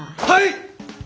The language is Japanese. はい！